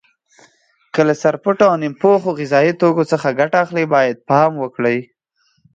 که له سرپټو او نیم پخو غذایي توکو څخه ګټه اخلئ باید پام وکړئ.